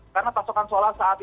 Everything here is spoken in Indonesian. karena pasokan solar saat ini